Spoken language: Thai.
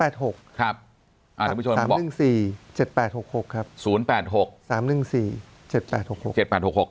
ได้ครับ๐๘๖๓๑๔๗๘๖๖